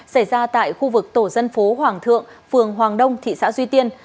xảy ra tại khu vực tổ dân phố hoàng thượng phường hoàng đông thị xã duy tiên